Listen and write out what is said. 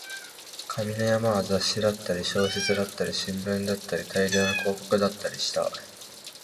紙の山は雑誌だったり、小説だったり、新聞だったり、大量の広告だったりした